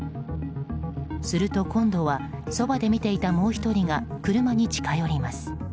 すると今度はそばで見ていたもう１人が車に近寄ります。